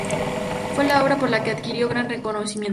Fue la obra por la que adquirió gran reconocimiento.